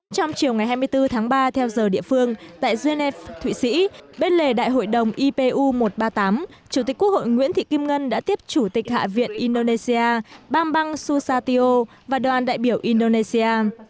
trong chiều ngày hai mươi bốn tháng ba theo giờ địa phương tại geneva thụy sĩ bên lề đại hội đồng ipu một trăm ba mươi tám chủ tịch quốc hội nguyễn thị kim ngân đã tiếp chủ tịch hạ viện indonesia bamban susatio và đoàn đại biểu indonesia